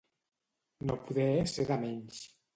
No poder ser de menys.